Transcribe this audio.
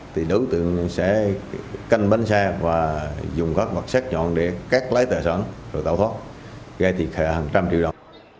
thì đối tượng sẽ canh bên xe và dùng các vật xét nhọn để cắt lấy tài sản rồi tạo thoát gây thì hàng trăm triệu đồng